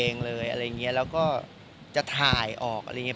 นะอะไรเงี้ยแล้วก็จะถ่ายออกอะไรเงี้ย